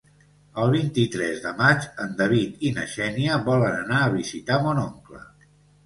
El vint-i-tres de maig en David i na Xènia volen anar a visitar mon oncle.